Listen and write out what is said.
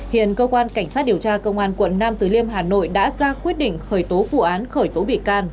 hiện cơ quan cảnh sát điều tra công an quận nam từ liêm hà nội đã ra quyết định khởi tố vụ án khởi tố bị can